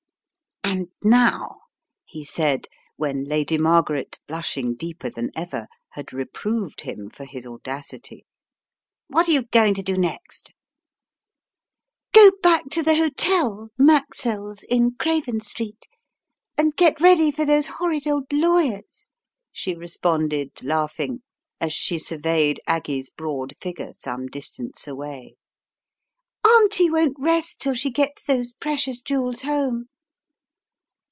"And now," he said, when Lady Margaret, blush ing deeper than ever, had reproved him for his au dacity, "what are you going to do next?" " Go back to the hotel, Maxell's, in Craven Street, and get ready for those horrid old lawyers," she responded, laughing, as she surveyed Aggie's broad figure some distance away. "Auntie won't rest till she gets those precious jewels home."